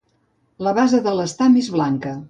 La base de l'estam és blanca.